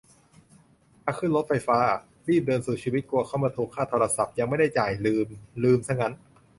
มาขึ้นรถไฟฟ้าอ่ะ รีบเดินสุดชีวิต กลัวเค้ามาทวงค่าโทรศัพท์ ยังไม่ได้จ่ายเลย ลืม ลืมซะงั้น